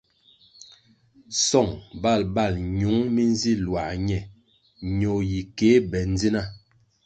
Song bal bal ñiung mi nsil luā ñe ñoh yi kéh be ndzina.